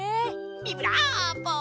ビブラーボ！